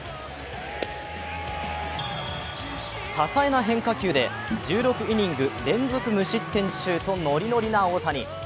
多彩な変化球で１６イニング連続無失点中とノリノリな大谷。